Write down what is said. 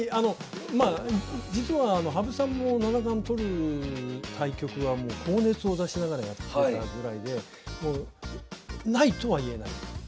まあ実は羽生さんも七冠取る対局は高熱を出しながらやってたぐらいでもうないとはいえない。